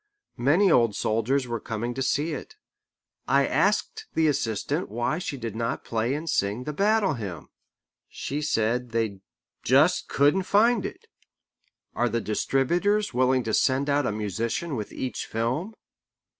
Many old soldiers were coming to see it. I asked the assistant why she did not play and sing the Battle Hymn. She said they "just couldn't find it." Are the distributors willing to send out a musician with each film?